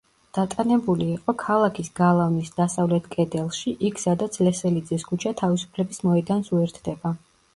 დატანებული იყო ქალაქის გალავნის დასავლეთ კედელში იქ, სადაც ლესელიძის ქუჩა თავისუფლების მოედანს უერთდება.